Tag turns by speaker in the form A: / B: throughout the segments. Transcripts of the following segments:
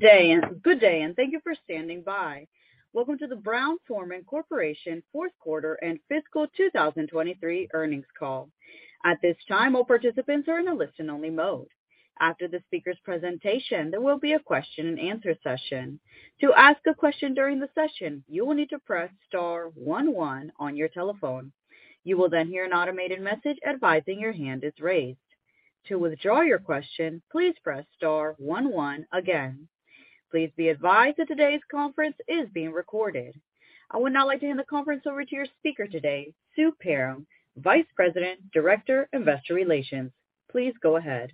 A: Good day, and thank you for standing by. Welcome to the Brown-Forman Corporation Fourth Quarter and Fiscal 2023 Earnings Call. At this time, all participants are in a listen-only mode. After the speaker's presentation, there will be a question and answer session. To ask a question during the session, you will need to press star one one on your telephone. You will hear an automated message advising your hand is raised. To withdraw your question, please press star one one again. Please be advised that today's conference is being recorded. I would now like to hand the conference over to your speaker today, Sue Perram, Vice President, Director, Investor Relations. Please go ahead.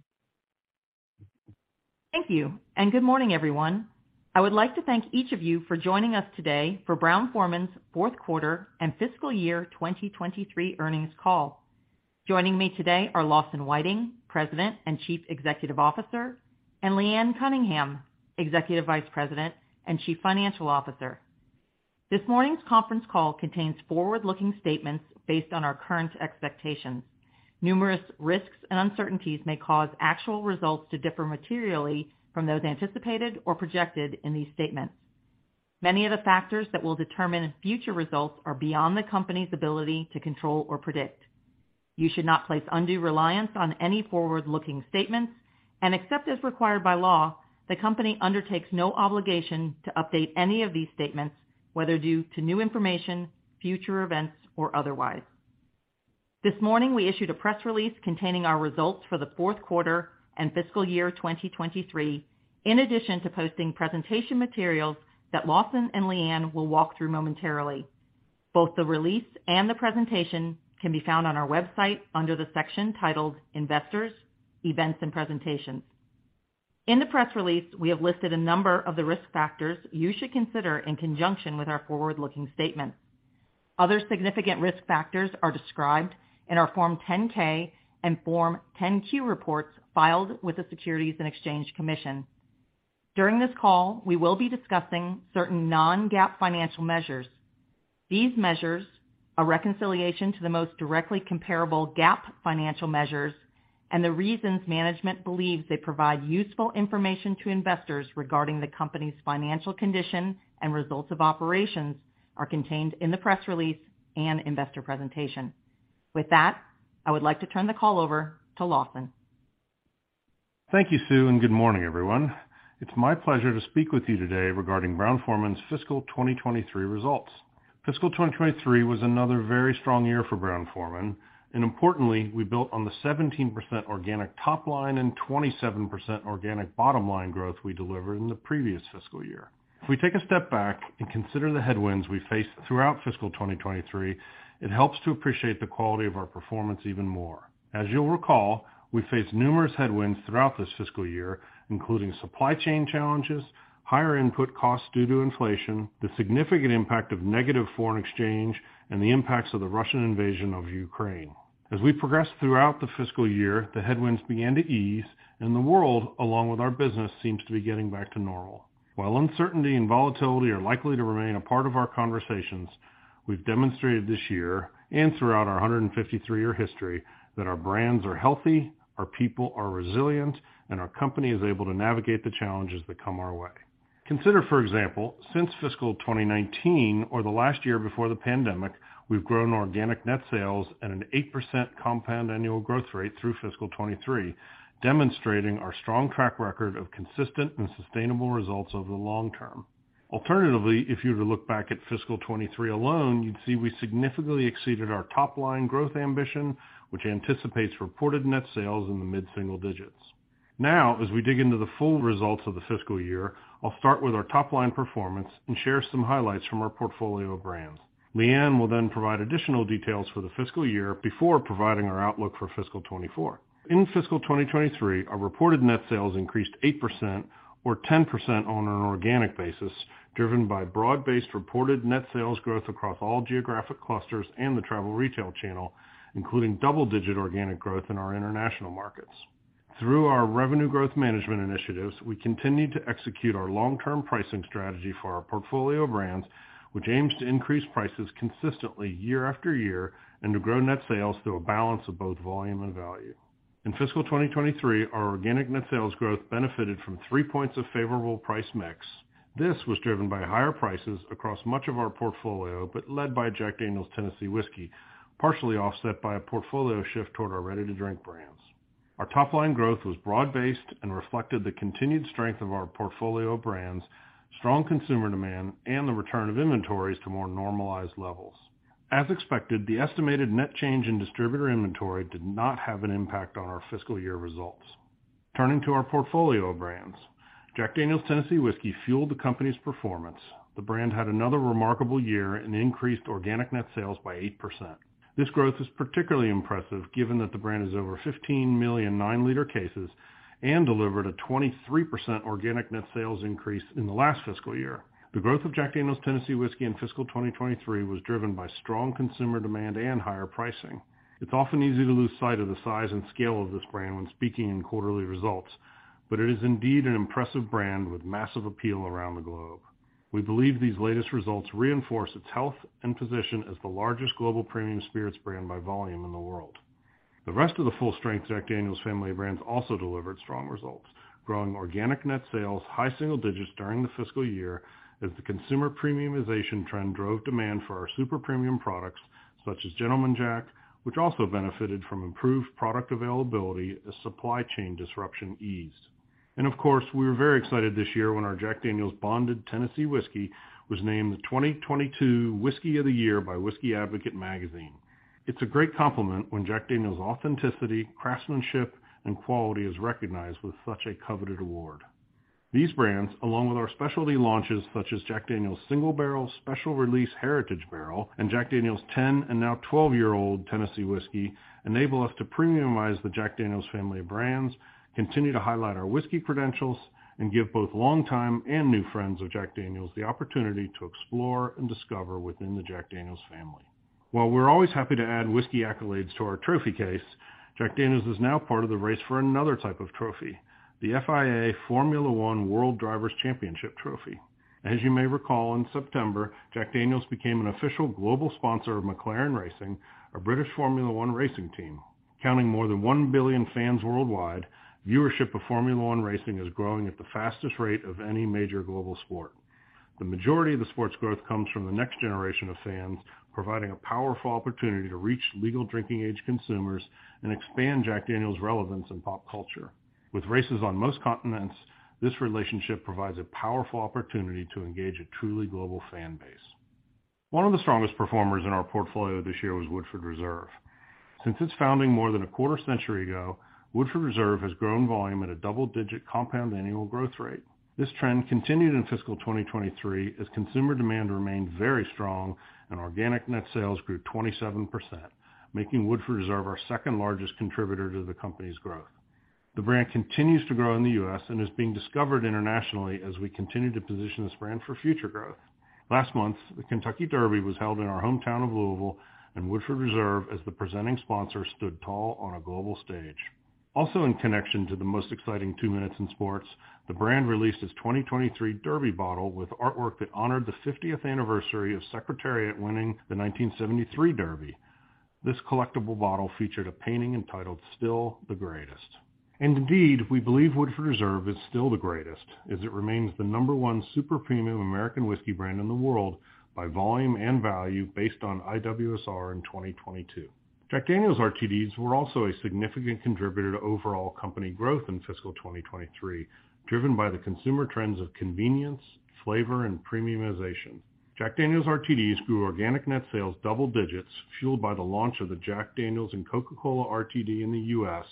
B: Thank you and good morning everyone. I would like to thank each of you for joining us today for Brown-Forman's fourth quarter and fiscal year 2023 earnings call. Joining me today are Lawson Whiting, President and Chief Executive Officer, and Leanne Cunningham, Executive Vice President and Chief Financial Officer. This morning's conference call contains forward-looking statements based on our current expectations. Numerous risks and uncertainties may cause actual results to differ materially from those anticipated or projected in these statements. Many of the factors that will determine future results are beyond the company's ability to control or predict. You should not place undue reliance on any forward-looking statements, and except as required by law, the company undertakes no obligation to update any of these statements, whether due to new information, future events, or otherwise. This morning, we issued a press release containing our results for the fourth quarter and fiscal year 2023, in addition to posting presentation materials that Lawson and Leanne will walk through momentarily. Both the release and the presentation can be found on our website under the section titled Investors, Events and Presentations. In the press release, we have listed a number of the risk factors you should consider in conjunction with our forward-looking statements. Other significant risk factors are described in our Form 10-K and Form 10-Q reports filed with the Securities and Exchange Commission. During this call, we will be discussing certain non-GAAP financial measures. These measures, a reconciliation to the most directly comparable GAAP financial measures, and the reasons management believes they provide useful information to investors regarding the company's financial condition and results of operations, are contained in the press release and investor presentation. With that, I would like to turn the call over to Lawson.
C: Thank you Sue. Good morning everyone. It's my pleasure to speak with you today regarding Brown-Forman's fiscal 2023 results. Fiscal 2023 was another very strong year for Brown-Forman. Importantly, we built on the 17% organic top line and 27% organic bottom line growth we delivered in the previous fiscal year. If we take a step back and consider the headwinds we faced throughout fiscal 2023, it helps to appreciate the quality of our performance even more. As you'll recall, we faced numerous headwinds throughout this fiscal year, including supply chain challenges, higher input costs due to inflation, the significant impact of negative foreign exchange, and the impacts of the Russian invasion of Ukraine. As we progressed throughout the fiscal year, the headwinds began to ease. The world, along with our business, seems to be getting back to normal. While uncertainty and volatility are likely to remain a part of our conversations, we've demonstrated this year, and throughout our 153-year history, that our brands are healthy, our people are resilient, and our company is able to navigate the challenges that come our way. Consider, for example, since fiscal 2019 or the last year before the pandemic, we've grown organic net sales at an 8% compound annual growth rate through fiscal 2023, demonstrating our strong track record of consistent and sustainable results over the long term. Alternatively, if you were to look back at fiscal 2023 alone, you'd see we significantly exceeded our top line growth ambition, which anticipates reported net sales in the mid-single digits. As we dig into the full results of the fiscal year, I'll start with our top line performance and share some highlights from our portfolio of brands. Leanne will then provide additional details for the fiscal year before providing our outlook for fiscal 2024. In fiscal 2023, our reported net sales increased 8% or 10% on an organic basis, driven by broad-based reported net sales growth across all geographic clusters and the travel retail channel, including double-digit organic growth in our international markets. Through our revenue growth management initiatives, we continued to execute our long-term pricing strategy for our portfolio of brands, which aims to increase prices consistently year after year and to grow net sales through a balance of both volume and value. In fiscal 2023, our organic net sales growth benefited from three points of favorable price mix. This was driven by higher prices across much of our portfolio, but led by Jack Daniel's Tennessee Whiskey, partially offset by a portfolio shift toward our ready-to-drink brands. Our top-line growth was broad-based and reflected the continued strength of our portfolio of brands, strong consumer demand, and the return of inventories to more normalized levels. As expected, the estimated net change in distributor inventory did not have an impact on our fiscal year results. Turning to our portfolio of brands, Jack Daniel's Tennessee Whiskey fueled the company's performance. The brand had another remarkable year and increased organic net sales by 8%. This growth is particularly impressive given that the brand is over 15 million 9 L cases and delivered a 23% organic net sales increase in the last fiscal year. The growth of Jack Daniel's Tennessee Whiskey in fiscal 2023 was driven by strong consumer demand and higher pricing. It's often easy to lose sight of the size and scale of this brand when speaking in quarterly results, but it is indeed an impressive brand with massive appeal around the globe. We believe these latest results reinforce its health and position as the largest global premium spirits brand by volume in the world. The rest of the full-strength Jack Daniel's family of brands also delivered strong results, growing organic net sales high single digits during the fiscal year, as the consumer premiumization trend drove demand for our super premium products, such as Gentleman Jack, which also benefited from improved product availability as supply chain disruption eased. Of course, we were very excited this year when our Jack Daniel's Bonded Tennessee Whiskey was named the 2022 Whisky of the Year by Whisky Advocate Magazine. It's a great compliment when Jack Daniel's authenticity, craftsmanship, and quality is recognized with such a coveted award. These brands, along with our specialty launches, such as Jack Daniel's Single Barrel Special Release Heritage Barrel and Jack Daniel's 10 and now 12-year-old Tennessee Whiskey, enable us to premiumize the Jack Daniel's family of brands, continue to highlight our whiskey credentials, and give both longtime and new friends of Jack Daniel's the opportunity to explore and discover within the Jack Daniel's family. While we're always happy to add whiskey accolades to our trophy case, Jack Daniel's is now part of the race for another type of trophy, the FIA Formula One World Drivers' Championship trophy. As you may recall, in September, Jack Daniel's became an official global sponsor of McLaren Racing, a British Formula 1 racing team. Counting more than 1 billion fans worldwide, viewership of Formula 1 racing is growing at the fastest rate of any major global sport. The majority of the sports growth comes from the next generation of fans, providing a powerful opportunity to reach legal drinking age consumers and expand Jack Daniel's relevance in pop culture. With races on most continents, this relationship provides a powerful opportunity to engage a truly global fan base. One of the strongest performers in our portfolio this year was Woodford Reserve. Since its founding more than a quarter century ago, Woodford Reserve has grown volume at a double-digit compound annual growth rate. This trend continued in fiscal 2023 as consumer demand remained very strong and organic net sales grew 27%, making Woodford Reserve our second-largest contributor to the company's growth. The brand continues to grow in the U.S. and is being discovered internationally as we continue to position this brand for future growth. Last month, the Kentucky Derby was held in our hometown of Louisville, and Woodford Reserve, as the presenting sponsor, stood tall on a global stage. Also, in connection to the most exciting 2 minutes in sports, the brand released its 2023 Derby bottle with artwork that honored the 50th anniversary of Secretariat winning the 1973 Derby. This collectible bottle featured a painting entitled Still the Greatest. Indeed, we believe Woodford Reserve is still the greatest, as it remains the number 1 super premium American whiskey brand in the world by volume and value based on IWSR in 2022. Jack Daniel's RTDs were also a significant contributor to overall company growth in fiscal 2023, driven by the consumer trends of convenience, flavor, and premiumization. Jack Daniel's RTDs grew organic net sales double digits, fueled by the launch of the Jack Daniel's & Coca-Cola RTD in the U.S.,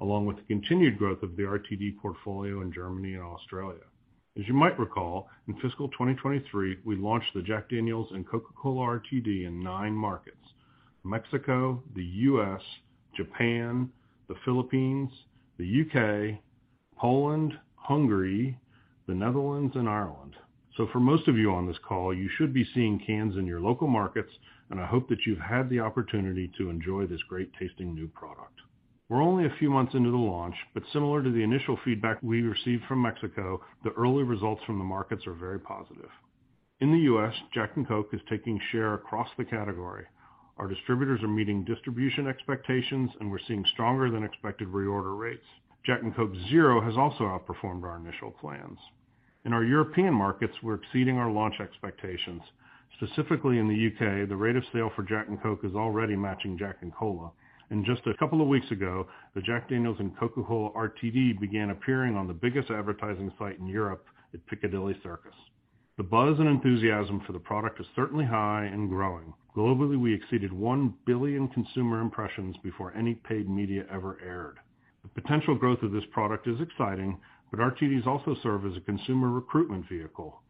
C: along with the continued growth of the RTD portfolio in Germany and Australia. You might recall, in fiscal 2023, we launched the Jack Daniel's & Coca-Cola RTD in nine markets: Mexico, the U.S., Japan, the Philippines, the U.K., Poland, Hungary, the Netherlands, and Ireland. For most of you on this call, you should be seeing cans in your local markets, and I hope that you've had the opportunity to enjoy this great-tasting new product. We're only a few months into the launch, similar to the initial feedback we received from Mexico, the early results from the markets are very positive. In the U.S., Jack & Coke is taking share across the category. Our distributors are meeting distribution expectations, and we're seeing stronger than expected reorder rates. Jack & Coke Zero has also outperformed our initial plans. In our European markets, we're exceeding our launch expectations. Specifically, in the U.K., the rate of sale for Jack & Coke is already matching Jack & Cola, and just a couple of weeks ago, the Jack Daniel's & Coca-Cola RTD began appearing on the biggest advertising site in Europe at Piccadilly Circus. The buzz and enthusiasm for the product is certainly high and growing. Globally, we exceeded 1 billion consumer impressions before any paid media ever aired. The potential growth of this product is exciting. RTDs also serve as a consumer recruitment vehicle.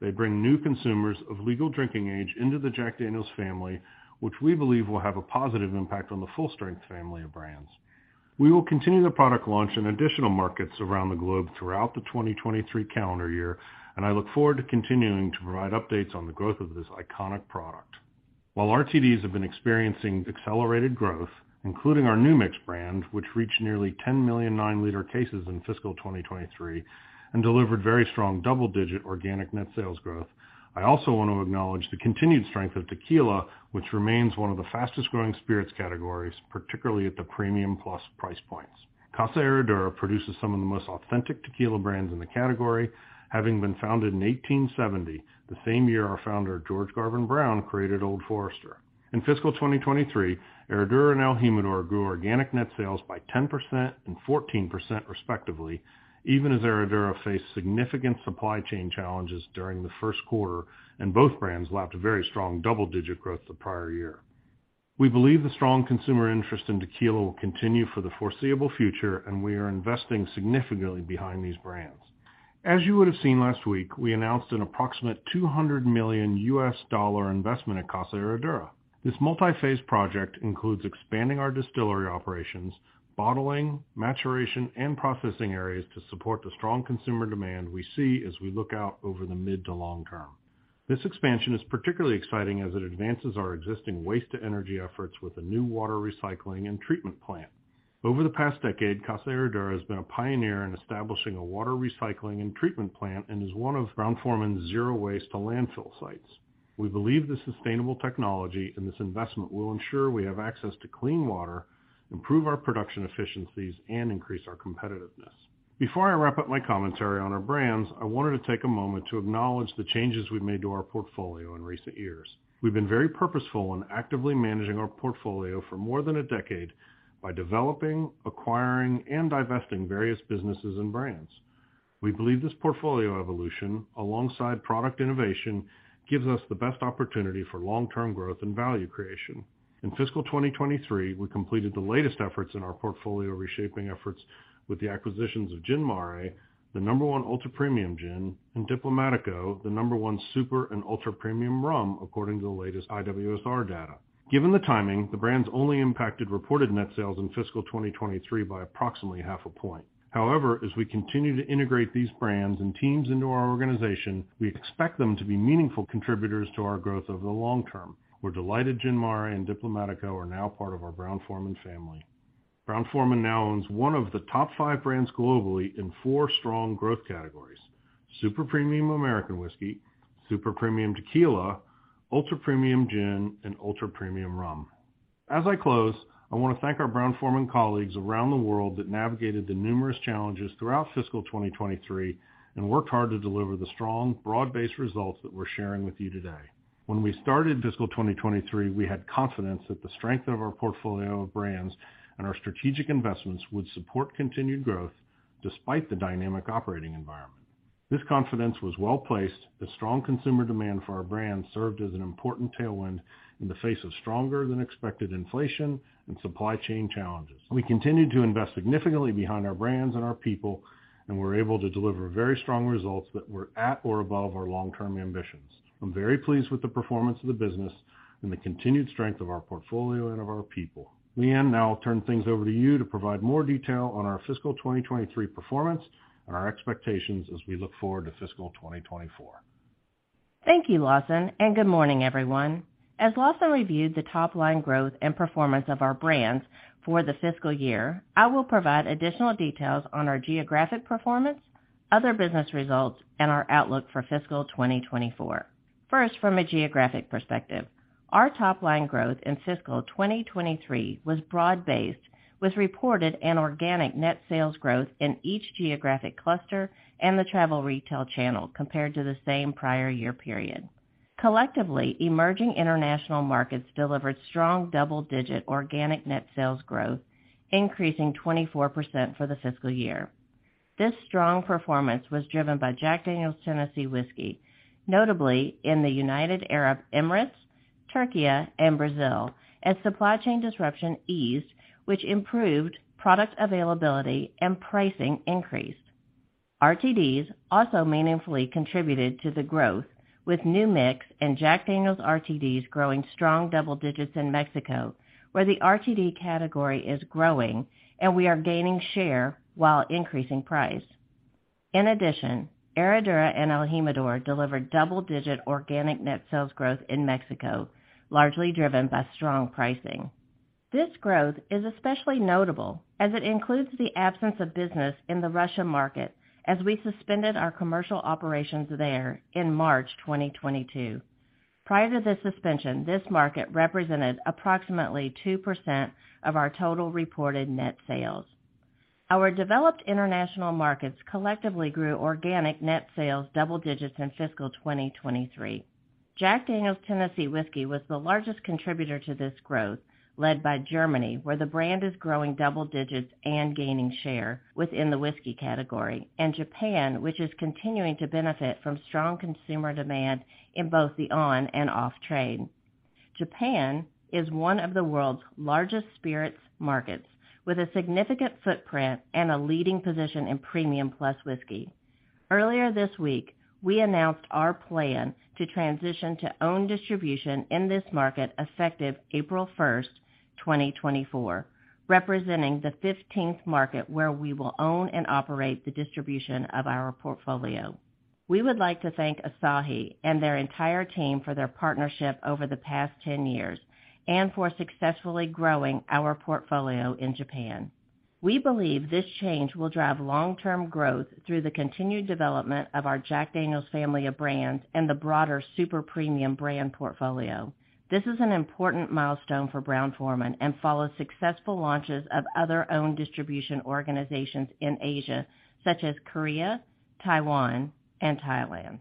C: They bring new consumers of legal drinking age into the Jack Daniel's family, which we believe will have a positive impact on the full-strength family of brands. We will continue the product launch in additional markets around the globe throughout the 2023 calendar year. I look forward to continuing to provide updates on the growth of this iconic product. While RTDs have been experiencing accelerated growth, including our New Mix brand, which reached nearly 10 million 9 L cases in fiscal 2023 and delivered very strong double-digit organic net sales growth, I also want to acknowledge the continued strength of tequila, which remains one of the fastest-growing spirits categories, particularly at the premium plus price points. Casa Herradura produces some of the most authentic tequila brands in the category, having been founded in 1870, the same year our founder, George Garvin Brown, created Old Forester. In fiscal 2023, Herradura and el Jimador grew organic net sales by 10% and 14%, respectively, even as Herradura faced significant supply chain challenges during the first quarter, and both brands lapped a very strong double-digit growth the prior year. We believe the strong consumer interest in tequila will continue for the foreseeable future, and we are investing significantly behind these brands. As you would have seen last week, we announced an approximate $200 million investment at Casa Herradura. This multi-phase project includes expanding our distillery operations, bottling, maturation, and processing areas to support the strong consumer demand we see as we look out over the mid to long term. This expansion is particularly exciting as it advances our existing waste-to-energy efforts with a new water recycling and treatment plant. Over the past decade, Casa Herradura has been a pioneer in establishing a water recycling and treatment plant, and is one of Brown-Forman's zero waste to landfill sites. We believe the sustainable technology and this investment will ensure we have access to clean water, improve our production efficiencies, and increase our competitiveness. Before I wrap up my commentary on our brands, I wanted to take a moment to acknowledge the changes we've made to our portfolio in recent years. We've been very purposeful in actively managing our portfolio for more than a decade by developing, acquiring, and divesting various businesses and brands. We believe this portfolio evolution, alongside product innovation, gives us the best opportunity for long-term growth and value creation. In fiscal 2023, we completed the latest efforts in our portfolio reshaping efforts with the acquisitions of Gin Mare, the number one ultra-premium gin, and Diplomático, the number one super and ultra-premium rum, according to the latest IWSR data. Given the timing, the brands only impacted reported net sales in fiscal 2023 by approximately half a point. However, as we continue to integrate these brands and teams into our organization, we expect them to be meaningful contributors to our growth over the long term. We're delighted Gin Mare and Diplomático are now part of our Brown-Forman family. Brown-Forman now owns one of the top five brands globally in four strong growth categories: super-premium American whiskey, super-premium tequila, ultra-premium gin, and ultra-premium rum. As I close, I want to thank our Brown-Forman colleagues around the world that navigated the numerous challenges throughout fiscal 2023, and worked hard to deliver the strong, broad-based results that we're sharing with you today. When we started fiscal 2023, we had confidence that the strength of our portfolio of brands and our strategic investments would support continued growth despite the dynamic operating environment. This confidence was well-placed, as strong consumer demand for our brands served as an important tailwind in the face of stronger-than-expected inflation and supply chain challenges. We continued to invest significantly behind our brands and our people, and were able to deliver very strong results that were at or above our long-term ambitions. I'm very pleased with the performance of the business and the continued strength of our portfolio and of our people. Leanne, now I'll turn things over to you to provide more detail on our fiscal 2023 performance and our expectations as we look forward to fiscal 2024.
D: Thank you Lawson. Good morning everyone. As Lawson reviewed the top-line growth and performance of our brands for the fiscal year, I will provide additional details on our geographic performance, other business results, and our outlook for fiscal 2024. First, from a geographic perspective, our top-line growth in fiscal 2023 was broad-based, with reported and organic net sales growth in each geographic cluster and the travel retail channel compared to the same prior year period. Collectively, emerging international markets delivered strong double-digit organic net sales growth, increasing 24% for the fiscal year. This strong performance was driven by Jack Daniel's Tennessee Whiskey, notably in the United Arab Emirates, Türkiye, and Brazil, as supply chain disruption eased, which improved product availability and pricing increase. RTDs also meaningfully contributed to the growth, with New Mix and Jack Daniel's RTDs growing strong double digits in Mexico, where the RTD category is growing, and we are gaining share while increasing price. Herradura and el Jimador delivered double-digit organic net sales growth in Mexico, largely driven by strong pricing. This growth is especially notable, as it includes the absence of business in the Russian market as we suspended our commercial operations there in March 2022. Prior to the suspension, this market represented approximately 2% of our total reported net sales. Our developed international markets collectively grew organic net sales double digits in fiscal 2023. Jack Daniel's Tennessee Whiskey was the largest contributor to this growth, led by Germany, where the brand is growing double digits and gaining share within the whiskey category, and Japan, which is continuing to benefit from strong consumer demand in both the on and off trade. Japan is one of the world's largest spirits markets, with a significant footprint and a leading position in premium plus whiskey. Earlier this week, we announced our plan to transition to own distribution in this market effective April 1, 2024, representing the 15th market where we will own and operate the distribution of our portfolio. We would like to thank Asahi and their entire team for their partnership over the past 10 years, and for successfully growing our portfolio in Japan. We believe this change will drive long-term growth through the continued development of our Jack Daniel's family of brands and the broader super premium brand portfolio. This is an important milestone for Brown-Forman, and follows successful launches of other own distribution organizations in Asia, such as Korea, Taiwan, and Thailand.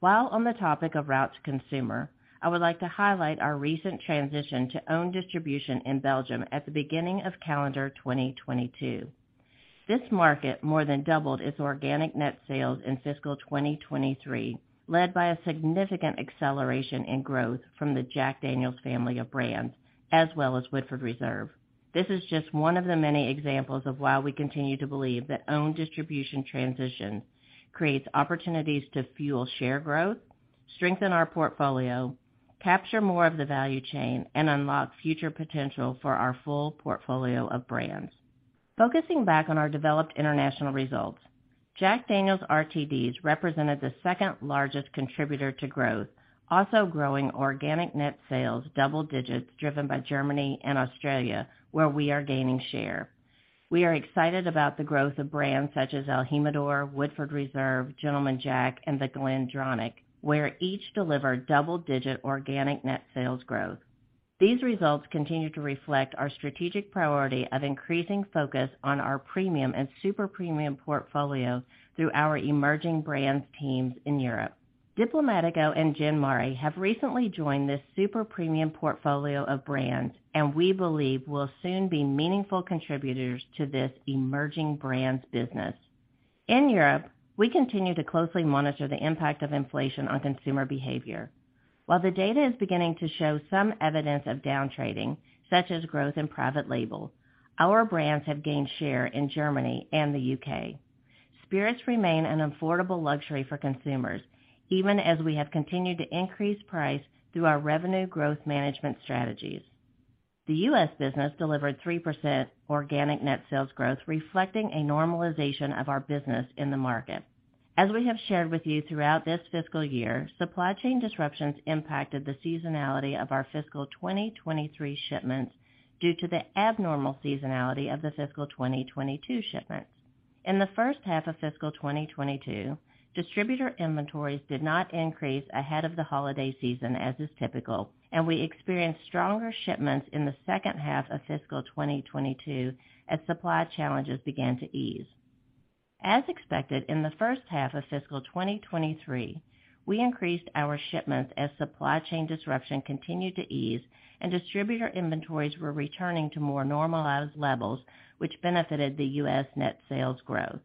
D: While on the topic of route to consumer, I would like to highlight our recent transition to own distribution in Belgium at the beginning of calendar 2022. This market more than doubled its organic net sales in fiscal 2023, led by a significant acceleration in growth from the Jack Daniel's family of brands, as well as Woodford Reserve. This is just one of the many examples of why we continue to believe that own distribution transition creates opportunities to fuel share growth, strengthen our portfolio, capture more of the value chain, and unlock future potential for our full portfolio of brands. Focusing back on our developed international results. Jack Daniel's RTDs represented the second largest contributor to growth, also growing organic net sales double digits, driven by Germany and Australia, where we are gaining share. We are excited about the growth of brands such as el Jimador, Woodford Reserve, Gentleman Jack, and The GlenDronach, where each delivered double-digit organic net sales growth. These results continue to reflect our strategic priority of increasing focus on our premium and super-premium portfolio through our emerging brands teams in Europe. Diplomático and Gin Mare have recently joined this super-premium portfolio of brands, and we believe will soon be meaningful contributors to this emerging brands business. In Europe, we continue to closely monitor the impact of inflation on consumer behavior. While the data is beginning to show some evidence of down trading, such as growth in private label, our brands have gained share in Germany and the U.K. Spirits remain an affordable luxury for consumers, even as we have continued to increase price through our revenue growth management strategies. The U.S. business delivered 3% organic net sales growth, reflecting a normalization of our business in the market. As we have shared with you throughout this fiscal year, supply chain disruptions impacted the seasonality of our fiscal 2023 shipments due to the abnormal seasonality of the fiscal 2022 shipments. In the first half of fiscal 2022, distributor inventories did not increase ahead of the holiday season, as is typical, and we experienced stronger shipments in the second half of fiscal 2022 as supply challenges began to ease. As expected, in the first half of fiscal 2023, we increased our shipments as supply chain disruption continued to ease and distributor inventories were returning to more normalized levels, which benefited the U.S. net sales growth.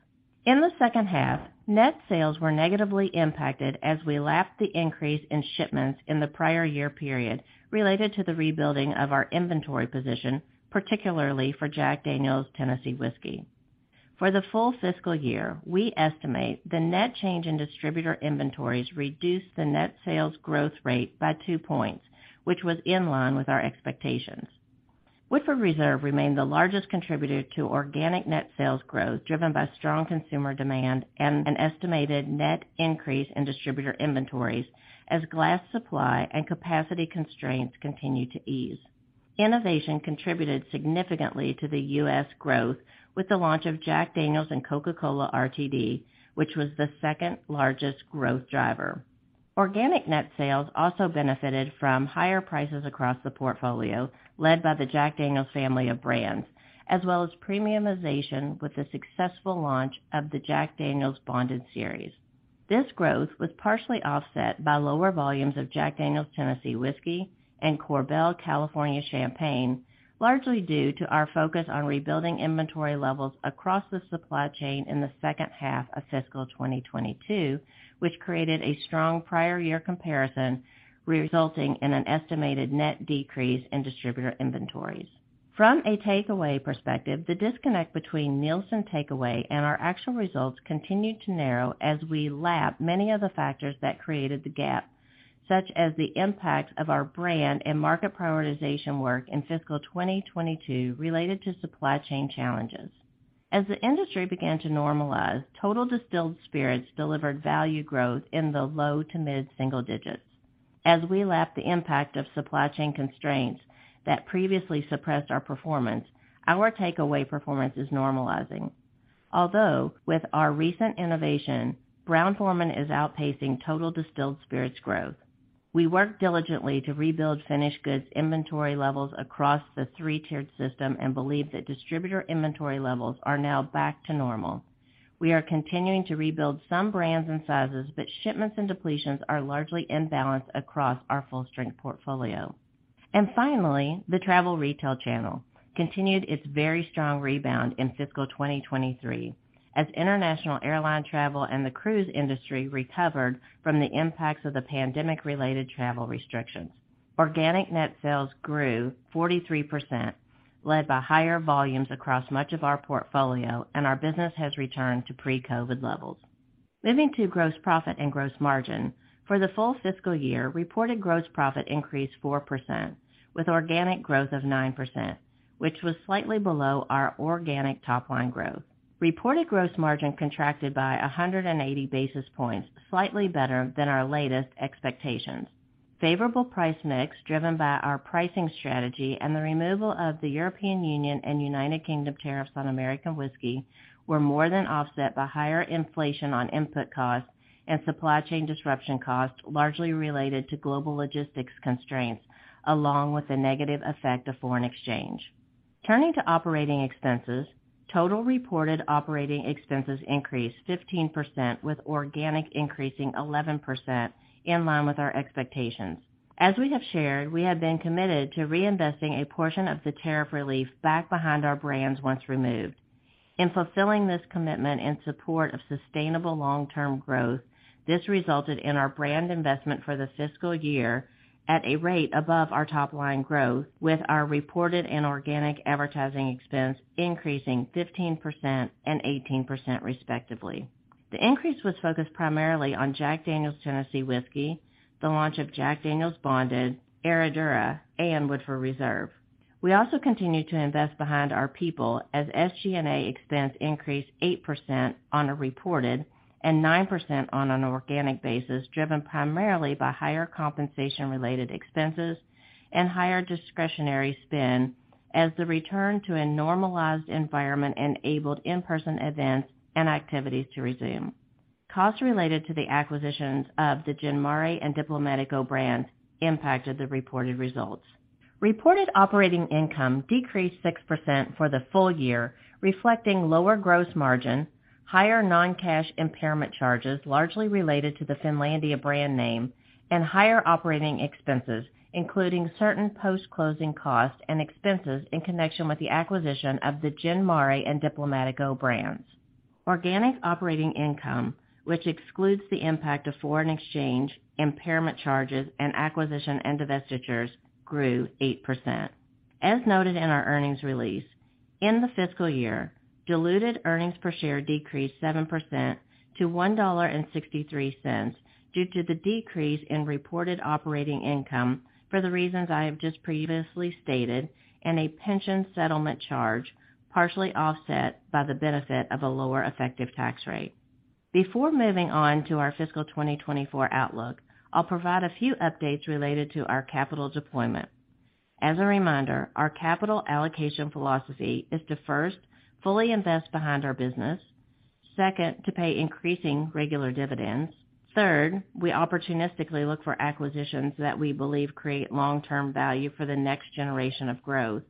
D: In the second half, net sales were negatively impacted as we lapped the increase in shipments in the prior year period related to the rebuilding of our inventory position, particularly for Jack Daniel's Tennessee Whiskey. For the full fiscal year, we estimate the net change in distributor inventories reduced the net sales growth rate by 2 points, which was in line with our expectations. Woodford Reserve remained the largest contributor to organic net sales growth, driven by strong consumer demand and an estimated net increase in distributor inventories as glass supply and capacity constraints continued to ease. Innovation contributed significantly to the U.S. growth with the launch of Jack Daniel's & Coca-Cola RTD, which was the second largest growth driver. Organic net sales also benefited from higher prices across the portfolio, led by the Jack Daniel's family of brands, as well as premiumization with the successful launch of the Jack Daniel's Bonded series. This growth was partially offset by lower volumes of Jack Daniel's Tennessee Whiskey and Korbel California Champagne, largely due to our focus on rebuilding inventory levels across the supply chain in the second half of fiscal 2022, which created a strong prior year comparison, resulting in an estimated net decrease in distributor inventories. From a takeaway perspective, the disconnect between NielsenIQ takeaway and our actual results continued to narrow as we lapped many of the factors that created the gap, such as the impact of our brand and market prioritization work in fiscal 2022 related to supply chain challenges. As the industry began to normalize, total distilled spirits delivered value growth in the low to mid-single digits. As we lapped the impact of supply chain constraints that previously suppressed our performance, our takeaway performance is normalizing. Although with our recent innovation, Brown-Forman is outpacing total distilled spirits growth. We worked diligently to rebuild finished goods inventory levels across the three-tiered system and believe that distributor inventory levels are now back to normal. Shipments and depletions are largely in balance across our full-strength portfolio. Finally, the travel retail channel continued its very strong rebound in fiscal 2023 as international airline travel and the cruise industry recovered from the impacts of the pandemic-related travel restrictions. Organic net sales grew 43%, led by higher volumes across much of our portfolio, and our business has returned to pre-COVID levels. Moving to gross profit and gross margin. For the full fiscal year, reported gross profit increased 4%, with organic growth of 9%, which was slightly below our organic top-line growth. Reported gross margin contracted by 180 basis points, slightly better than our latest expectations. Favorable price mix, driven by our pricing strategy and the removal of the European Union and United Kingdom tariffs on American Whiskey, were more than offset by higher inflation on input costs and supply chain disruption costs, largely related to global logistics constraints, along with the negative effect of foreign exchange. Turning to operating expenses, total reported operating expenses increased 15%, with organic increasing 11% in line with our expectations. As we have shared, we have been committed to reinvesting a portion of the tariff relief back behind our brands once removed. In fulfilling this commitment in support of sustainable long-term growth, this resulted in our brand investment for the fiscal year at a rate above our top-line growth, with our reported and organic advertising expense increasing 15% and 18%, respectively. The increase was focused primarily on Jack Daniel's Tennessee Whiskey, the launch of Jack Daniel's Bonded, Herradura, and Woodford Reserve. We also continue to invest behind our people as SG&A expense increased 8% on a reported and 9% on an organic basis, driven primarily by higher compensation-related expenses and higher discretionary spend as the return to a normalized environment enabled in-person events and activities to resume. Costs related to the acquisitions of the Gin Mare and Diplomático brands impacted the reported results. Reported operating income decreased 6% for the full year, reflecting lower gross margin, higher non-cash impairment charges, largely related to the Finlandia brand name, and higher operating expenses, including certain post-closing costs and expenses in connection with the acquisition of the Gin Mare and Diplomático brands. Organic operating income, which excludes the impact of foreign exchange, impairment charges, and acquisition and divestitures, grew 8%. As noted in our earnings release, in the fiscal year, diluted earnings per share decreased 7% to $1.63 due to the decrease in reported operating income for the reasons I have just previously stated, and a pension settlement charge, partially offset by the benefit of a lower effective tax rate. Before moving on to our fiscal 2024 outlook, I'll provide a few updates related to our capital deployment. As a reminder, our capital allocation philosophy is to, first, fully invest behind our business. Second, to pay increasing regular dividends. Third, we opportunistically look for acquisitions that we believe create long-term value for the next generation of growth.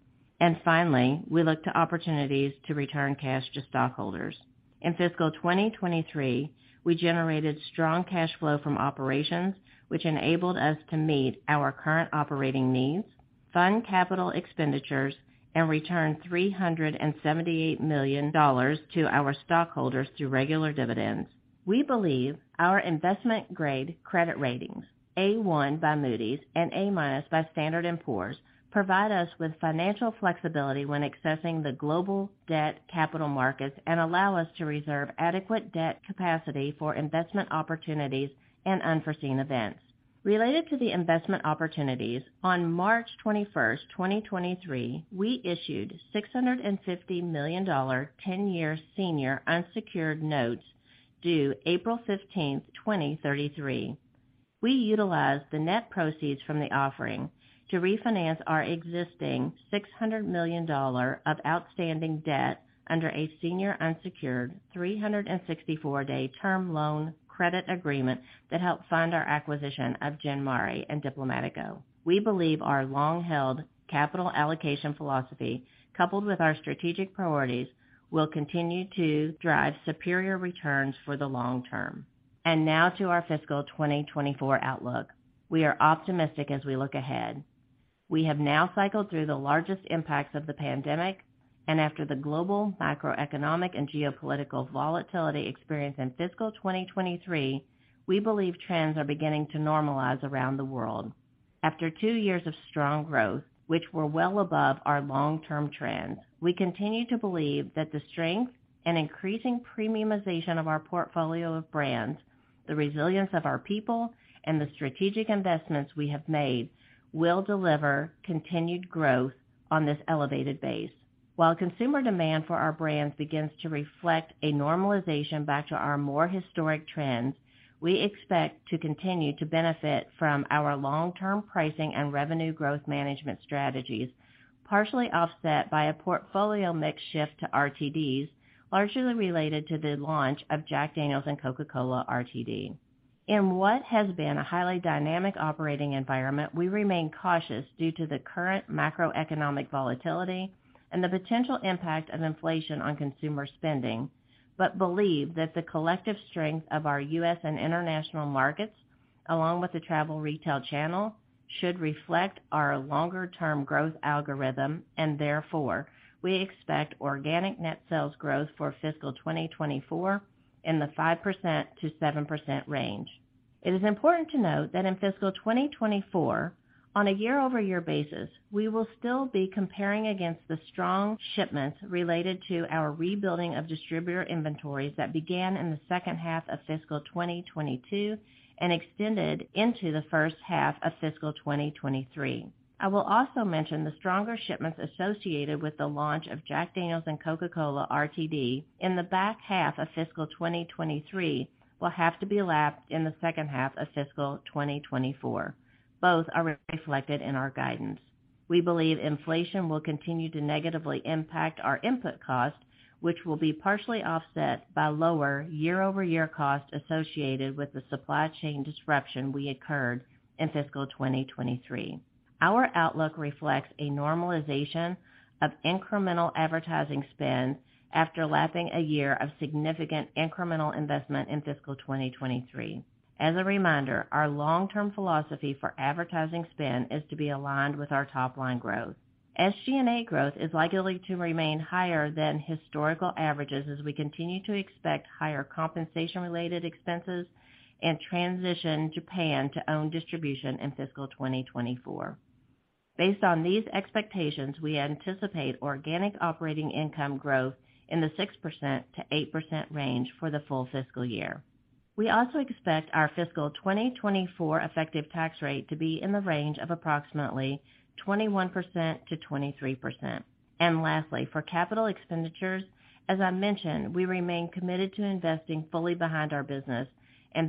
D: Finally, we look to opportunities to return cash to stockholders. In fiscal 2023, we generated strong cash flow from operations, which enabled us to meet our current operating needs, fund capital expenditures, and return $378 million to our stockholders through regular dividends. We believe our investment-grade credit ratings, A1 by Moody's and A- by Standard & Poor's, provide us with financial flexibility when accessing the global debt capital markets and allow us to reserve adequate debt capacity for investment opportunities and unforeseen events. Related to the investment opportunities, on March 21st, 2023, we issued $650 million 10-year senior unsecured notes due April 15th, 2033. We utilized the net proceeds from the offering to refinance our existing $600 million of outstanding debt under a senior unsecured 364-day term loan credit agreement that helped fund our acquisition of Gin Mare and Diplomático. We believe our long-held capital allocation philosophy, coupled with our strategic priorities, will continue to drive superior returns for the long term. Now to our fiscal 2024 outlook. We are optimistic as we look ahead. We have now cycled through the largest impacts of the pandemic, and after the global macroeconomic and geopolitical volatility experienced in fiscal 2023, we believe trends are beginning to normalize around the world. After two years of strong growth, which were well above our long-term trends, we continue to believe that the strength and increasing premiumization of our portfolio of brands, the resilience of our people, and the strategic investments we have made will deliver continued growth on this elevated base. While consumer demand for our brands begins to reflect a normalization back to our more historic trends, we expect to continue to benefit from our long-term pricing and revenue growth management strategies, partially offset by a portfolio mix shift to RTDs, largely related to the launch of Jack Daniel's & Coca-Cola RTD. In what has been a highly dynamic operating environment, we remain cautious due to the current macroeconomic volatility and the potential impact of inflation on consumer spending, but believe that the collective strength of our U.S. and international markets, along with the travel retail channel, should reflect our longer-term growth algorithm. Therefore, we expect organic net sales growth for fiscal 2024 in the 5%-7% range. It is important to note that in fiscal 2024, on a year-over-year basis, we will still be comparing against the strong shipments related to our rebuilding of distributor inventories that began in the second half of fiscal 2022 and extended into the first half of fiscal 2023. I will also mention the stronger shipments associated with the launch of Jack Daniel's & Coca-Cola RTD in the back half of fiscal 2023 will have to be lapped in the second half of fiscal 2024, both are reflected in our guidance. We believe inflation will continue to negatively impact our input costs, which will be partially offset by lower year-over-year costs associated with the supply chain disruption we occurred in fiscal 2023. Our outlook reflects a normalization of incremental advertising spend after lapping a year of significant incremental investment in fiscal 2023. As a reminder, our long-term philosophy for advertising spend is to be aligned with our top-line growth. SG&A growth is likely to remain higher than historical averages as we continue to expect higher compensation-related expenses and transition Japan to own distribution in fiscal 2024. Based on these expectations, we anticipate organic operating income growth in the 6%-8% range for the full fiscal year. We also expect our fiscal 2024 effective tax rate to be in the range of approximately 21%-23%. Lastly, for capital expenditures, as I mentioned, we remain committed to investing fully behind our business.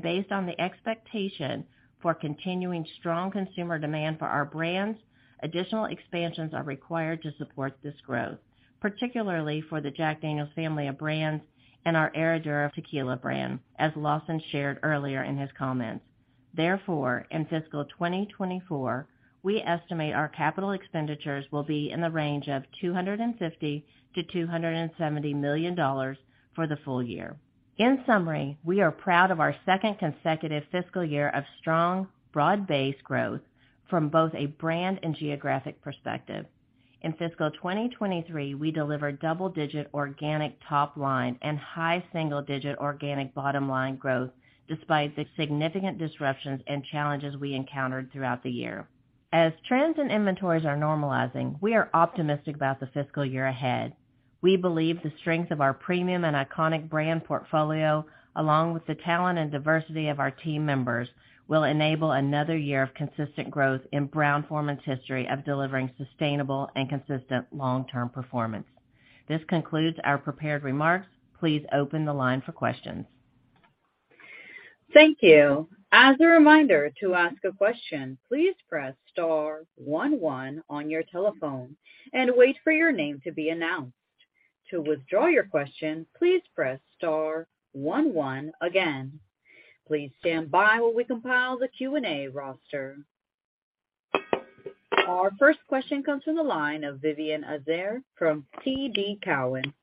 D: Based on the expectation for continuing strong consumer demand for our brands, additional expansions are required to support this growth, particularly for the Jack Daniel's family of brands and our Herradura Tequila brand, as Lawson shared earlier in his comments. In fiscal 2024, we estimate our CapEx will be in the range of $250 million-$270 million for the full year. In summary, we are proud of our second consecutive fiscal year of strong, broad-based growth from both a brand and geographic perspective. In fiscal 2023, we delivered double-digit organic top line and high single-digit organic bottom line growth, despite the significant disruptions and challenges we encountered throughout the year. Trends and inventories are normalizing, we are optimistic about the fiscal year ahead. We believe the strength of our premium and iconic brand portfolio, along with the talent and diversity of our team members, will enable another year of consistent growth in Brown-Forman's history of delivering sustainable and consistent long-term performance. This concludes our prepared remarks. Please open the line for questions.
A: Thank you. As a reminder, to ask a question, please press star one one on your telephone and wait for your name to be announced. To withdraw your question, please press star one one again. Please stand by while we compile the Q&A roster. Our first question comes from the line of Vivien Azer from TD Cowen.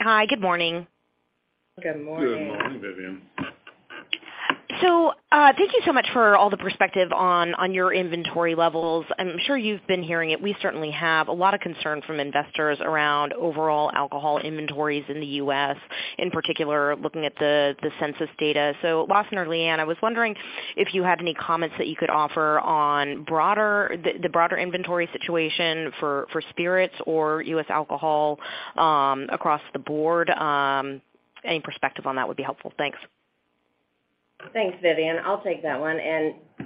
E: Hi, good morning.
D: Good morning.
C: Good morning Vivien.
E: Thank you so much for all the perspective on your inventory levels. I'm sure you've been hearing it. We certainly have a lot of concern from investors around overall alcohol inventories in the U.S., in particular, looking at the census data. Lawson or Leanne, I was wondering if you had any comments that you could offer on the broader inventory situation for spirits or U.S. alcohol across the board. Any perspective on that would be helpful. Thanks.
D: Thanks Vivien, I'll take that one.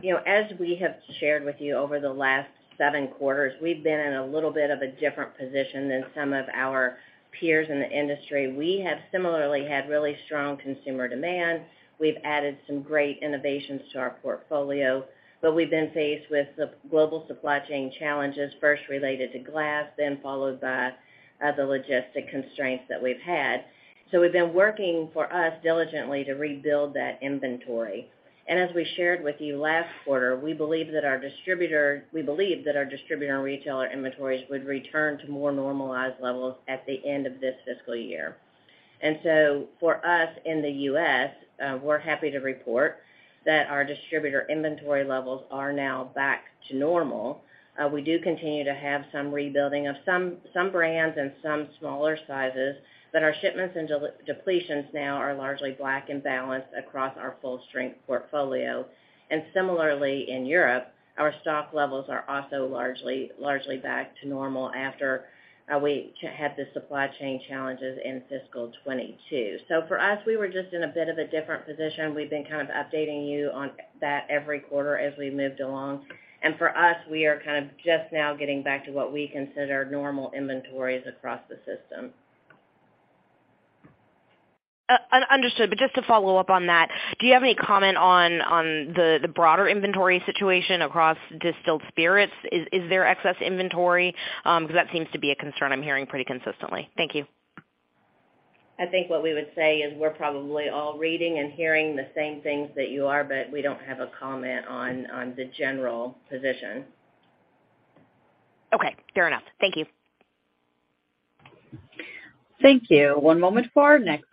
D: You know, as we have shared with you over the last seven quarters, we've been in a little bit of a different position than some of our peers in the industry. We have similarly had really strong consumer demand. We've added some great innovations to our portfolio, but we've been faced with the global supply chain challenges, first related to glass, then followed by the logistic constraints that we've had. We've been working for us diligently to rebuild that inventory. As we shared with you last quarter, we believe that our distributor and retailer inventories would return to more normalized levels at the end of this fiscal year. For us, in the U.S., we're happy to report that our distributor inventory levels are now back to normal. We do continue to have some rebuilding of some brands and some smaller sizes, but our shipments and depletions now are largely black and balanced across our full-strength portfolio. Similarly, in Europe, our stock levels are also largely back to normal after we had the supply chain challenges in fiscal 2022. For us, we were just in a bit of a different position. We've been kind of updating you on that every quarter as we moved along. For us, we are kind of just now getting back to what we consider normal inventories across the system.
E: Understood, just to follow up on that, do you have any comment on the broader inventory situation across distilled spirits? Is there excess inventory? Because that seems to be a concern I'm hearing pretty consistently. Thank you.
D: I think what we would say is we're probably all reading and hearing the same things that you are, but we don't have a comment on the general position.
E: Okay, fair enough. Thank you.
A: Thank you. One moment for our next question.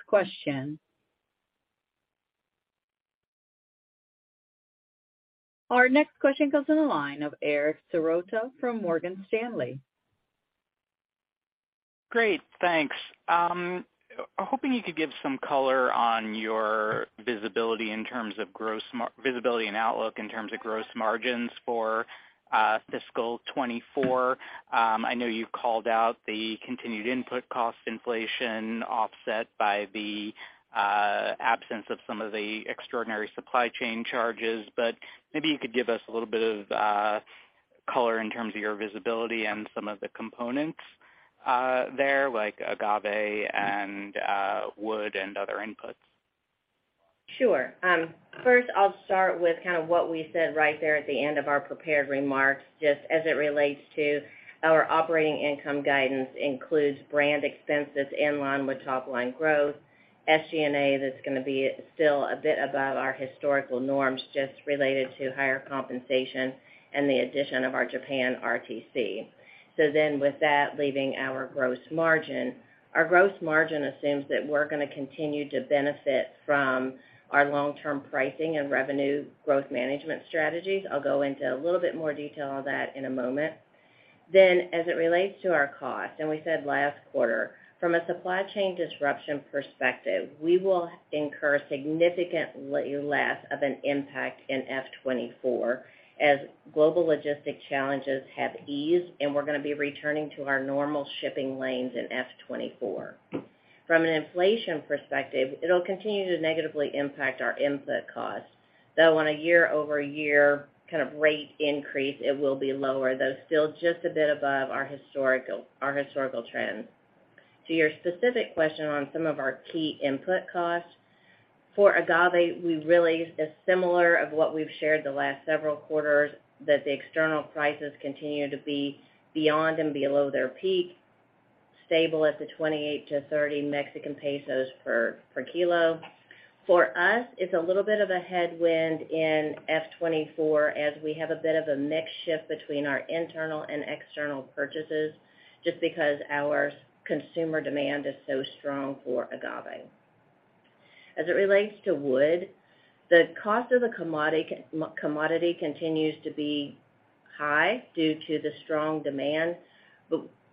A: Our next question comes in the line of Eric Serotta from Morgan Stanley.
F: Great, thanks. I'm hoping you could give some color on your visibility and outlook in terms of gross margins for fiscal 2024. I know you've called out the continued input cost inflation offset by the absence of some of the extraordinary supply chain charges, but maybe you could give us a little bit of color in terms of your visibility and some of the components there, like agave and wood and other inputs.
D: Sure. First, I'll start with kind of what we said right there at the end of our prepared remarks, just as it relates to our operating income guidance includes brand expenses in line with top line growth, SG&A, that's going to be still a bit above our historical norms, just related to higher compensation and the addition of our Japan RTC. With that, leaving our gross margin. Our gross margin assumes that we're going to continue to benefit from our long-term pricing and revenue growth management strategies. I'll go into a little bit more detail on that in a moment. As it relates to our cost, we said last quarter, from a supply chain disruption perspective, we will incur significantly less of an impact in F-24 as global logistic challenges have eased, and we're going to be returning to our normal shipping lanes in F-24. From an inflation perspective, it'll continue to negatively impact our input costs, though on a year-over-year kind of rate increase, it will be lower, though still just a bit above our historical trends. To your specific question on some of our key input costs, for agave, we really it's similar of what we've shared the last several quarters, that the external prices continue to be beyond and below their peak, stable at the 28- 30 Mexican pesos per kl. For us, it's a little bit of a headwind in FY 2024 as we have a bit of a mix shift between our internal and external purchases, just because our consumer demand is so strong for agave. As it relates to wood, the cost of the commodity continues to be high due to the strong demand.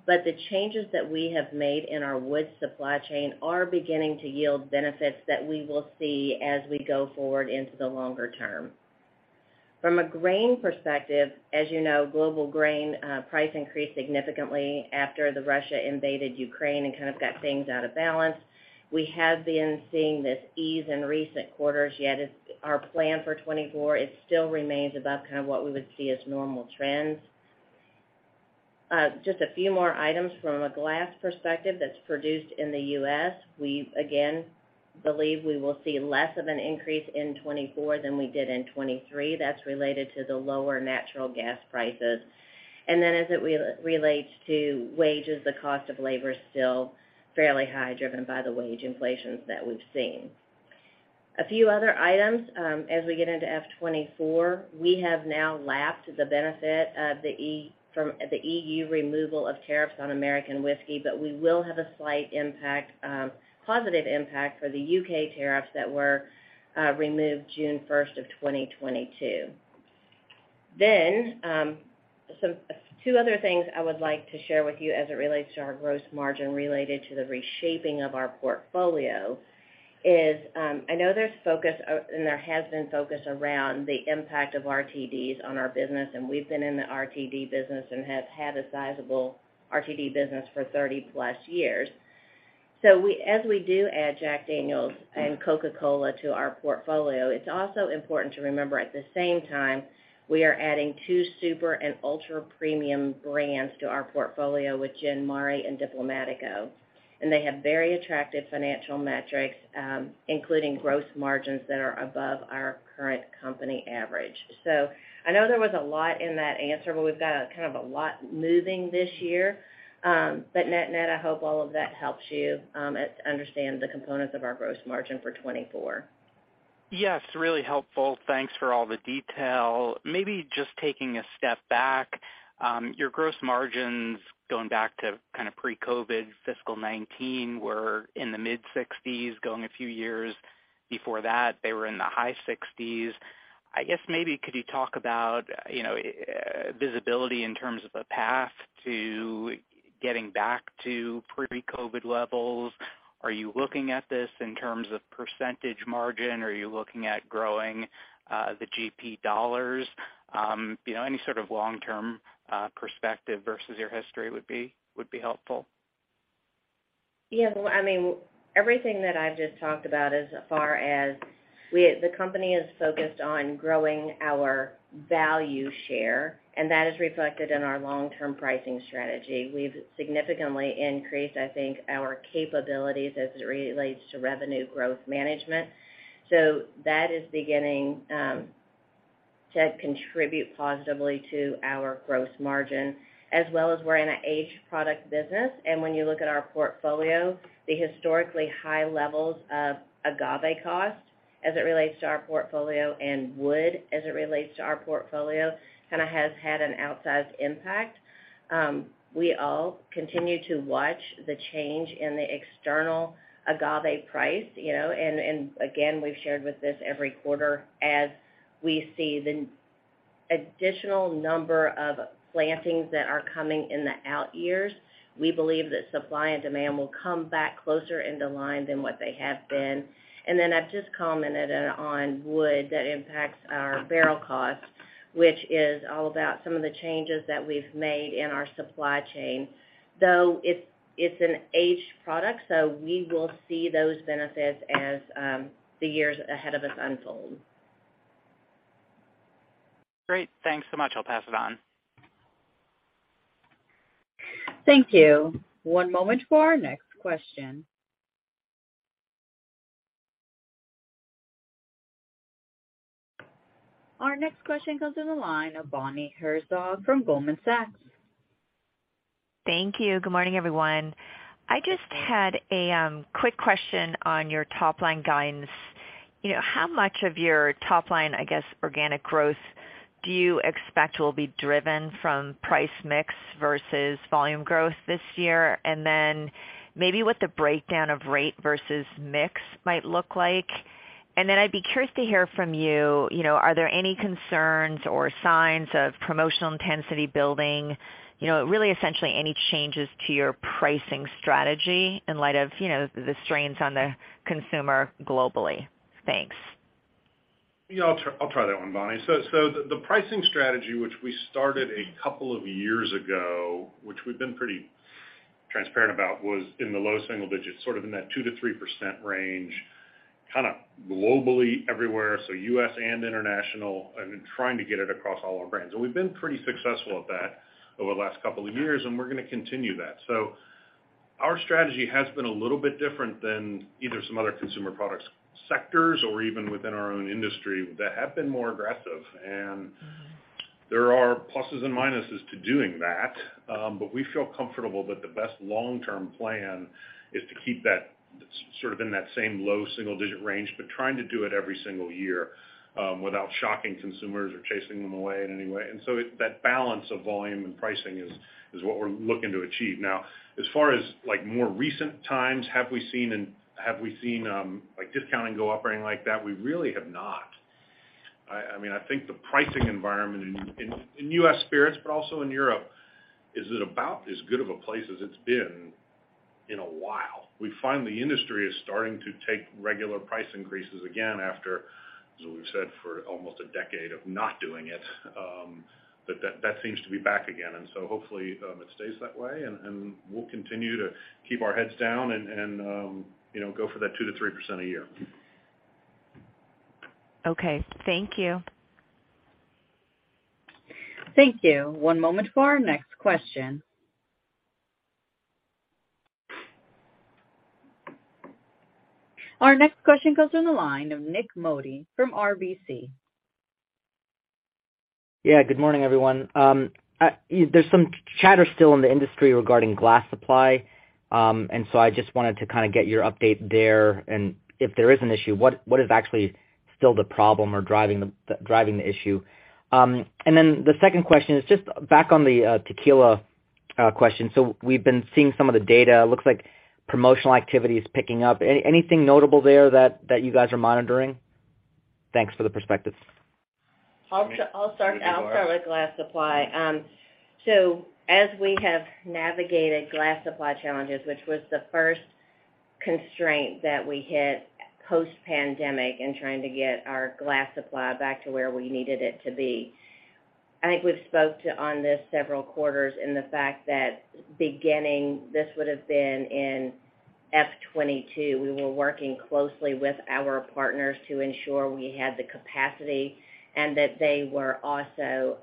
D: The changes that we have made in our wood supply chain are beginning to yield benefits that we will see as we go forward into the longer term. From a grain perspective, as you know, global grain price increased significantly after Russia invaded Ukraine and kind of got things out of balance. We have been seeing this ease in recent quarters, yet it's our plan for 2024, it still remains above kind of what we would see as normal trends. Just a few more items from a glass perspective that's produced in the U.S.. We, again, believe we will see less of an increase in 2024 than we did in 2023. That's related to the lower natural gas prices. As it relates to wages, the cost of labor is still fairly high, driven by the wage inflations that we've seen. A few other items, as we get into FY 2024, we have now lapped the benefit of the EU removal of tariffs on American whiskey, but we will have a slight impact, positive impact for the U.K. tariffs that were removed June 1, 2022. Two other things I would like to share with you as it relates to our gross margin related to the reshaping of our portfolio is, I know there's focus, and there has been focus around the impact of RTDs on our business, and we've been in the RTD business and have had a sizable RTD business for 30+ years. As we do add Jack Daniel's & Coca-Cola to our portfolio, it's also important to remember, at the same time, we are adding two super and ultra-premium brands to our portfolio with Gin Mare and Diplomático. They have very attractive financial metrics, including gross margins that are above our current company average. I know there was a lot in that answer, but we've got kind of a lot moving this year. Net-net, I hope all of that helps you understand the components of our gross margin for 2024.
F: Yes, really helpful. Thanks for all the detail. Maybe just taking a step back, your gross margins going back to kind of pre-COVID fiscal 2019 were in the mid-60s. Going a few years before that, they were in the high 60s. I guess maybe could you talk about, you know, visibility in terms of a path to getting back to pre-COVID levels? Are you looking at this in terms of percentage margin, or are you looking at growing the GP dollars? You know, any sort of long-term perspective versus your history would be helpful.
D: Well, I mean, everything that I've just talked about as far as the company is focused on growing our value share, and that is reflected in our long-term pricing strategy. We've significantly increased, I think, our capabilities as it relates to revenue growth management. That is beginning to contribute positively to our gross margin, as well as we're in an aged product business. When you look at our portfolio, the historically high levels of agave cost as it relates to our portfolio and wood as it relates to our portfolio, kind of has had an outsized impact. We all continue to watch the change in the external agave price, you know, and again, we've shared with this every quarter. As we see the additional number of plantings that are coming in the out years, we believe that supply and demand will come back closer into line than what they have been. Then I've just commented on wood that impacts our barrel cost, which is all about some of the changes that we've made in our supply chain, though it's an aged product, so we will see those benefits as the years ahead of us unfold.
F: Great. Thanks so much, I'll pass it on.
A: Thank you. One moment for our next question. Our next question comes in the line of Bonnie Herzog from Goldman Sachs.
G: Thank you. Good morning everyone. I just had a quick question on your top-line guidance. You know, how much of your top line, I guess, organic growth do you expect will be driven from price mix versus volume growth this year? Maybe what the breakdown of rate versus mix might look like. I'd be curious to hear from you know, are there any concerns or signs of promotional intensity building? You know, really essentially any changes to your pricing strategy in light of, you know, the strains on the consumer globally. Thanks.
C: Yeah, I'll try that one, Bonnie. The pricing strategy, which we started a couple of years ago, which we've been pretty transparent about, was in the low single digits, sort of in that 2%-3% range, kind of globally everywhere, so U.S. and international, trying to get it across all our brands. We've been pretty successful at that over the last couple of years, we're gonna continue that. Our strategy has been a little bit different than either some other consumer product sectors or even within our own industry that have been more aggressive. There are pluses and minuses to doing that, we feel comfortable that the best long-term plan is to keep that sort of in that same low single-digit range, trying to do it every single year, without shocking consumers or chasing them away in any way. That balance of volume and pricing is what we're looking to achieve. Now, as far as, like, more recent times, have we seen, like, discounting go up or anything like that? We really have not. I mean, I think the pricing environment in U.S. spirits, but also in Europe, is at about as good of a place as it's been in a while. We find the industry is starting to take regular price increases again after, as we've said, for almost a decade of not doing it, that seems to be back again. Hopefully, it stays that way, and we'll continue to keep our heads down and, you know, go for that 2%-3% a year.
G: Okay. Thank you.
A: Thank you. One moment for our next question. Our next question comes from the line of Nik Modi from RBC.
H: Yeah, good morning, everyone. There's some chatter still in the industry regarding glass supply, I just wanted to kind of get your update there, and if there is an issue, what is actually still the problem or driving the issue? The second question is just back on the tequila question. We've been seeing some of the data. It looks like promotional activity is picking up. Anything notable there that you guys are monitoring? Thanks for the perspectives.
D: I'll start with glass supply. As we have navigated glass supply challenges, which was the first constraint that we hit post-pandemic in trying to get our glass supply back to where we needed it to be, I think we've spoke to on this several quarters in the fact that beginning, this would have been in FY 2022, we were working closely with our partners to ensure we had the capacity and that they were also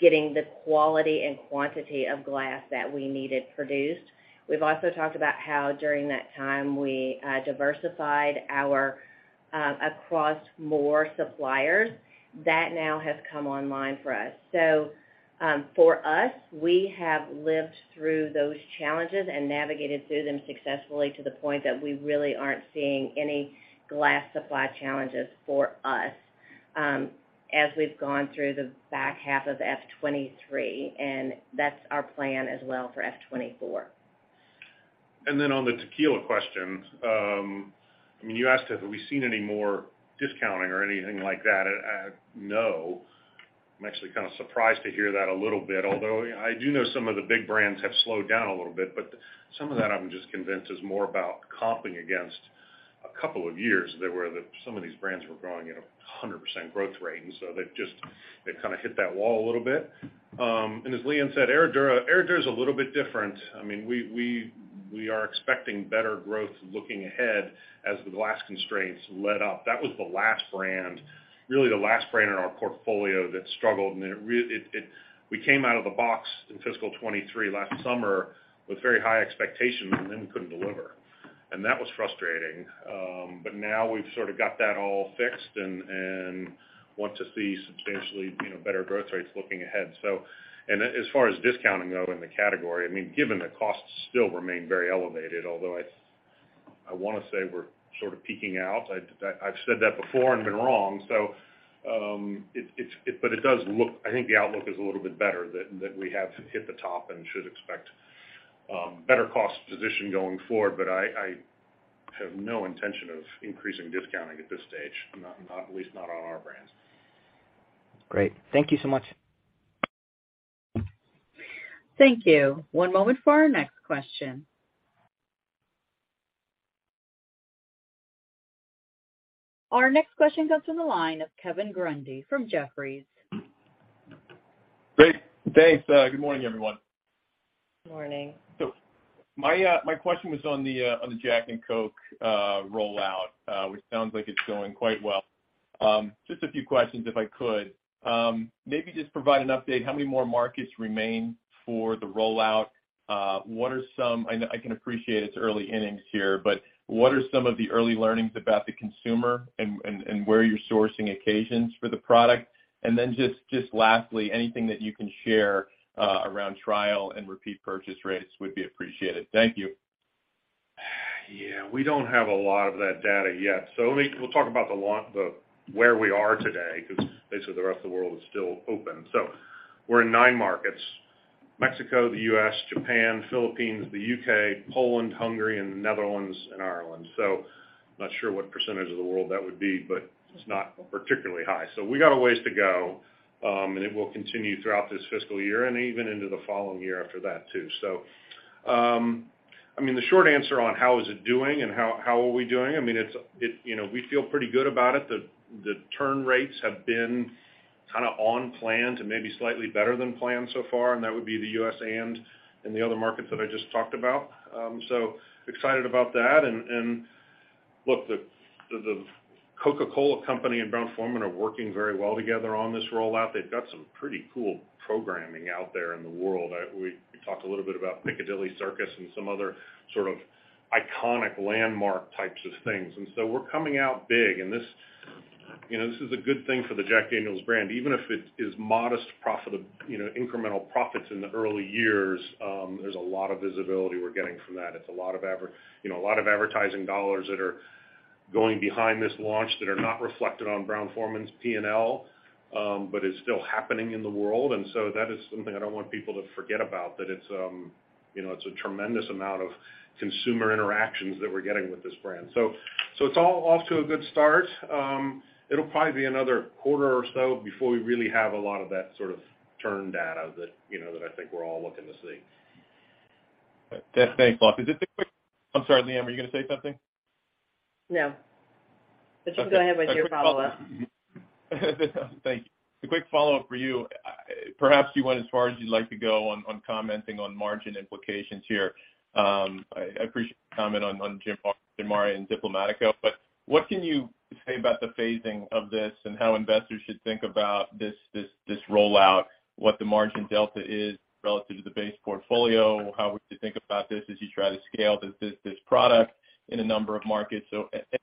D: getting the quality and quantity of glass that we needed produced. We've also talked about how, during that time, we diversified our across more suppliers. That now has come online for us. For us, we have lived through those challenges and navigated through them successfully to the point that we really aren't seeing any glass supply challenges for us, as we've gone through the back half of FY 2023 that's our plan as well for FY 2024.
C: On the tequila question, you asked, have we seen any more discounting or anything like that? No. I'm actually kind of surprised to hear that a little bit, although I do know some of the big brands have slowed down a little bit, but some of that I'm just convinced is more about comping against a couple of years that some of these brands were growing at a 100% growth rate, and so they've just, they've kind of hit that wall a little bit. As Leanne said, Herradura is a little bit different. We are expecting better growth looking ahead as the glass constraints let up. That was the last brand, really the last brand in our portfolio that struggled, and it...we came out of the box in fiscal 2023 last summer with very high expectations, and then we couldn't deliver. That was frustrating, but now we've sort of got that all fixed and want to see substantially, you know, better growth rates looking ahead. As far as discounting, though, in the category, I mean, given the costs still remain very elevated, although I wanna say we're sort of peaking out. I've said that before and been wrong, so, but it does look, I think the outlook is a little bit better than we have hit the top and should expect better cost position going forward. I have no intention of increasing discounting at this stage, not, at least not on our brands.
H: Great. Thank you so much.
A: Thank you. One moment for our next question. Our next question comes from the line of Kevin Grundy from Jefferies.
I: Great. Thanks. Good morning, everyone.
D: Good morning.
I: My question was on the Jack & Coke rollout, which sounds like it's going quite well. Just a few questions, if I could. Maybe just provide an update, how many more markets remain for the rollout? What are some I know I can appreciate it's early innings here, but what are some of the early learnings about the consumer and where you're sourcing occasions for the product? Just lastly, anything that you can share around trial and repeat purchase rates would be appreciated. Thank you.
C: Yeah, we don't have a lot of that data yet. We'll talk about the long, the, where we are today, because basically, the rest of the world is still open. We're in nine markets: Mexico, the U.S., Japan, Philippines, the U.K., Poland, Hungary, and the Netherlands, and Ireland. I'm not sure what % of the world that would be, but it's not particularly high. We got a ways to go, and it will continue throughout this fiscal year and even into the following year after that, too. I mean, the short answer on how is it doing and how are we doing, I mean, it's, you know, we feel pretty good about it. The turn rates have been kind of on plan to maybe slightly better than planned so far, and that would be the U.S. and in the other markets that I just talked about. So excited about that. And look, The Coca-Cola Company and Brown-Forman are working very well together on this rollout. They've got some pretty cool programming out there in the world. We talked a little bit about Piccadilly Circus and some other sort of iconic landmark types of things. We're coming out big, and this, you know, this is a good thing for the Jack Daniel's brand, even if it is modest profit, you know, incremental profits in the early years, there's a lot of visibility we're getting from that. It's a lot of you know, a lot of advertising dollars that are going behind this launch that are not reflected on Brown-Forman's P&L, but is still happening in the world. That is something I don't want people to forget about, that it's, you know, it's a tremendous amount of consumer interactions that we're getting with this brand. So it's all off to a good start. It'll probably be another quarter or so before we really have a lot of that sort of turn data that, you know, that I think we're all looking to see.
I: Right, thanks a lot. I'm sorry, Leanne Cunningham, were you gonna say something?
D: No, but you can go ahead with your follow-up.
I: Thank you. A quick follow-up for you. Perhaps you went as far as you'd like to go on commenting on margin implications here. I appreciate your comment on Gin Mare and Diplomático. What can you say about the phasing of this and how investors should think about this rollout, what the margin delta is relative to the base portfolio? How would you think about this as you try to scale this product in a number of markets?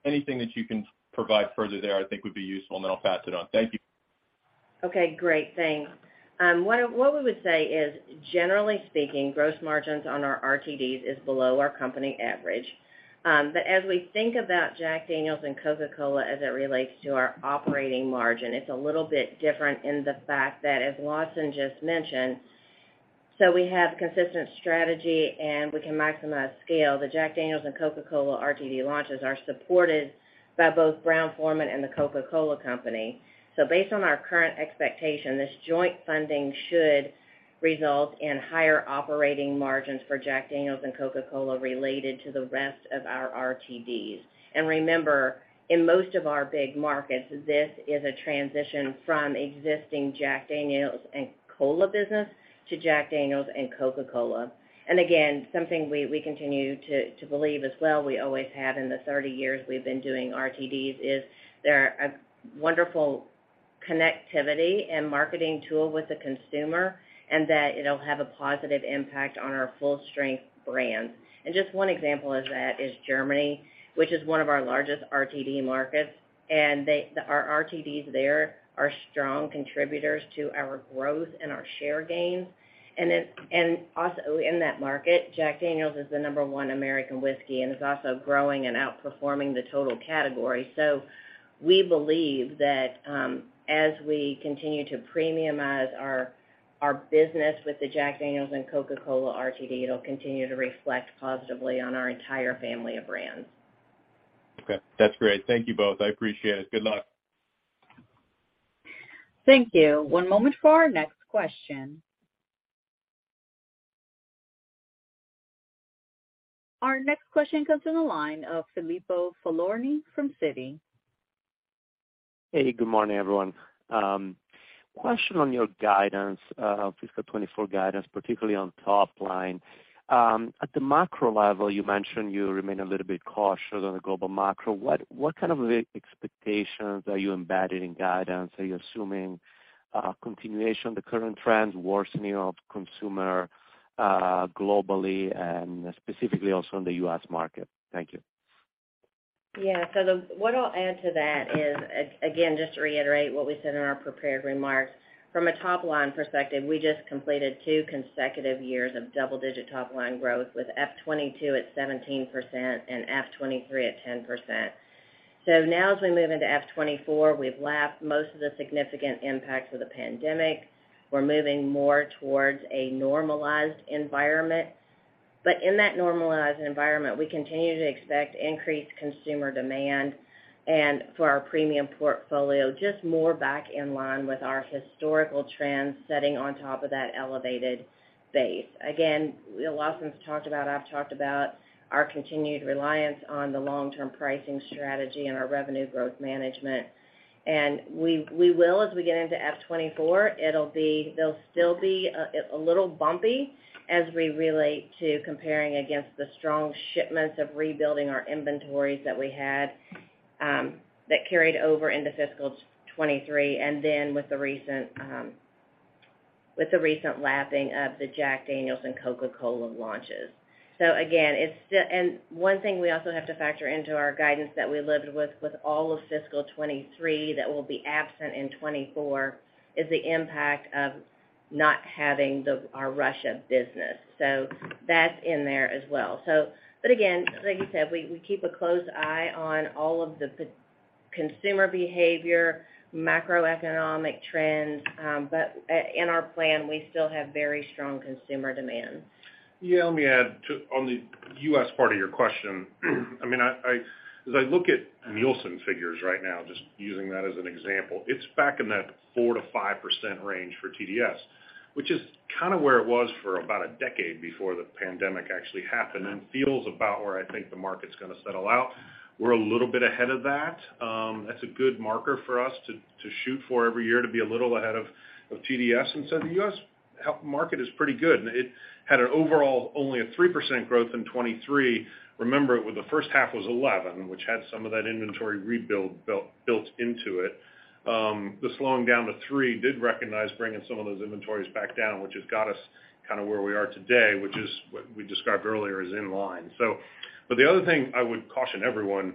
I: Anything that you can provide further there, I think would be useful. I'll pass it on. Thank you.
D: Okay, great. Thanks. What we would say is, generally speaking, gross margins on our RTDs is below our company average. As we think about Jack Daniel's & Coca-Cola as it relates to our operating margin, it's a little bit different in the fact that, as Lawson just mentioned, we have consistent strategy, and we can maximize scale. The Jack Daniel's & Coca-Cola RTD launches are supported by both Brown-Forman and The Coca-Cola Company. Based on our current expectation, this joint funding should result in higher operating margins for Jack Daniel's & Coca-Cola related to the rest of our RTDs. Remember, in most of our big markets, this is a transition from existing Jack Daniel's & Cola business to Jack Daniel's & Coca-Cola. Something we continue to believe as well, we always have in the 30 years we've been doing RTDs, is they're a wonderful connectivity and marketing tool with the consumer, and that it'll have a positive impact on our full-strength brands. Just one example of that is Germany, which is one of our largest RTD markets, our RTDs there are strong contributors to our growth and our share gains. Also in that market, Jack Daniel's is the number one American whiskey, and is also growing and outperforming the total category. We believe that as we continue to premiumize our business with the Jack Daniel's & Coca-Cola RTD, it'll continue to reflect positively on our entire family of brands.
I: Okay, that's great. Thank you both, I appreciate it. Good luck.
A: Thank you. One moment for our next question. Our next question comes in the line of Filippo Falorni from Citi.
J: Hey, good morning, everyone. Question on your guidance, fiscal 2024 guidance, particularly on top line. At the macro level, you mentioned you remain a little bit cautious on the global macro. What kind of expectations are you embedding in guidance? Are you assuming continuation of the current trends, worsening of consumer, globally and specifically also in the U.S. market? Thank you.
D: Yeah, what I'll add to that is, again, just to reiterate what we said in our prepared remarks. From a top-line perspective, we just completed two consecutive years of double-digit top-line growth, with FY 2022 at 17% and FY 2023 at 10%. Now, as we move into FY 2024, we've lapped most of the significant impacts of the pandemic. We're moving more towards a normalized environment. In that normalized environment, we continue to expect increased consumer demand and for our premium portfolio, just more back in line with our historical trends, setting on top of that elevated base. Again, Lawson's talked about, I've talked about our continued reliance on the long-term pricing strategy and our revenue growth management. We will, as we get into FY 2024, it'll be, they'll still be a little bumpy as we relate to comparing against the strong shipments of rebuilding our inventories that we had that carried over into fiscal 2023, and then with the recent lapping of the Jack Daniel's and Coca-Cola launches. Again, it's still. One thing we also have to factor into our guidance that we lived with all of fiscal 2023, that will be absent in 2024, is the impact of not having our Russia business. That's in there as well. But again, like you said, we keep a close eye on all of the consumer behavior, macroeconomic trends, but in our plan, we still have very strong consumer demand.
C: Yeah, let me add to, on the U.S. part of your question. I mean, I, as I look at NielsenIQ figures right now, just using that as an example, it's back in that 4%-5% range for TDS, which is kind of where it was for about a decade before the pandemic actually happened, and feels about where I think the market's gonna settle out. We're a little bit ahead of that. That's a good marker for us to shoot for every year, to be a little ahead of TDS. The U.S. Health market is pretty good, and it had an overall only a 3% growth in 2023. Remember, when the first half was 11%, which had some of that inventory rebuild built into it, the slowing down to 3% did recognize bringing some of those inventories back down, which has got us kind of where we are today, which is what we described earlier, is in line. The other thing I would caution everyone,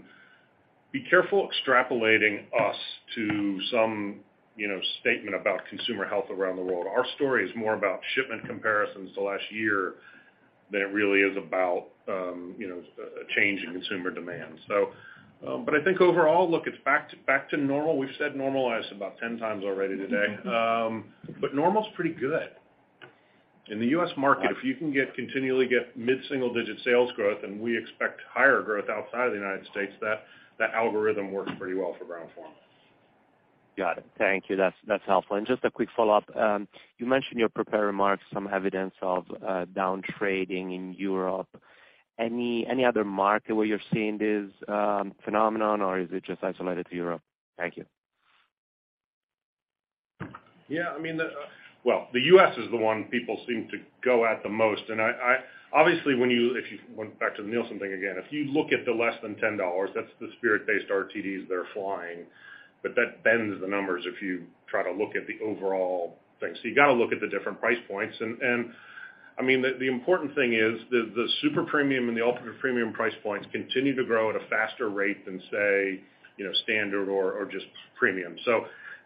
C: be careful extrapolating us to some, you know, statement about consumer health around the world. Our story is more about shipment comparisons to last year than it really is about, you know, change in consumer demand. I think overall, look, it's back to normal. We've said normalized about 10x already today. Normal is pretty good. In the U.S. market, if you can continually get mid-single-digit sales growth, and we expect higher growth outside of the United States, that algorithm works pretty well for Brown-Forman.
J: Got it. Thank you that's helpful. Just a quick follow-up. You mentioned in your prepared remarks some evidence of down trading in Europe. Any other market where you're seeing this phenomenon, or is it just isolated to Europe? Thank you.
C: I mean, Well, the U.S. is the one people seem to go at the most. Obviously, if you went back to the NielsenIQ thing again, if you look at the less than $10, that's the spirit-based RTDs, they're flying, but that bends the numbers if you try to look at the overall thing. You got to look at the different price points. I mean, the important thing is the super premium and the ultimate premium price points continue to grow at a faster rate than, say, you know, standard or just premium.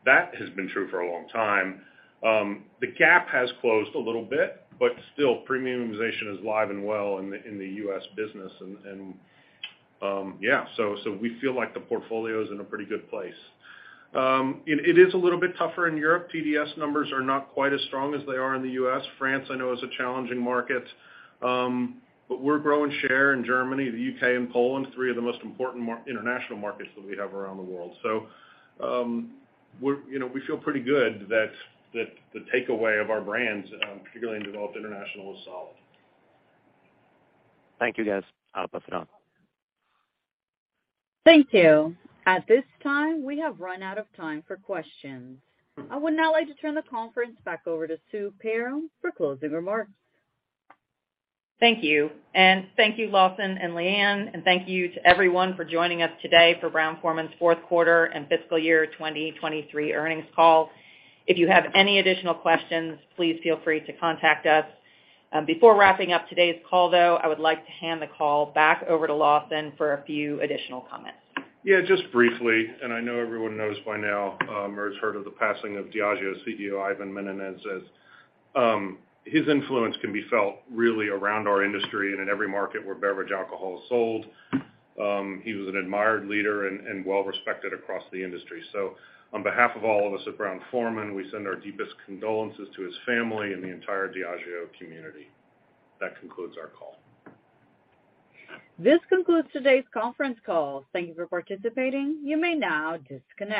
C: That has been true for a long time. The gap has closed a little bit, still, premiumization is alive and well in the U.S. business. Yeah, so we feel like the portfolio is in a pretty good place. It is a little bit tougher in Europe. TDS numbers are not quite as strong as they are in the U.S., France I know is a challenging market, but we're growing share in Germany, the U.K. and Poland, three of the most important international markets that we have around the world. We're, you know, we feel pretty good that the takeaway of our brands, particularly in developed international, is solid.
J: Thank you, guys. I'll pass it on.
A: Thank you. At this time, we have run out of time for questions. I would now like to turn the conference back over to Sue Perram for closing remarks.
B: Thank you and thank you Lawson and Leanne and thank you to everyone for joining us today for Brown-Forman's fourth quarter and fiscal year 2023 earnings call. If you have any additional questions, please feel free to contact us. Before wrapping up today's call, though, I would like to hand the call back over to Lawson for a few additional comments.
C: Yeah, just briefly, I know everyone knows by now, or has heard of the passing of Diageo's CEO, Ivan Menezes. His influence can be felt really around our industry and in every market where beverage alcohol is sold. He was an admired leader and well-respected across the industry. On behalf of all of us at Brown-Forman, we send our deepest condolences to his family and the entire Diageo community. That concludes our call.
A: This concludes today's conference call. Thank you for participating. You may now disconnect.